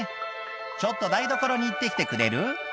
「ちょっと台所に行って来てくれる？」